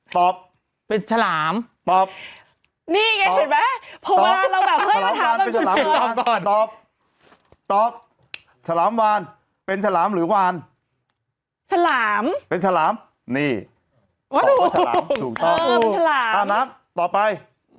สลามเป็นสลามนี่ตอบว่าสลามถูกต้องตามนับต่อไป